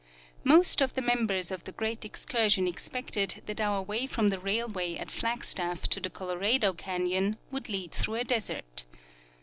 Most of the members of the great ex cursion expected that our way from the railway at Flagstaff to the Colorado canyon would lead through a desert.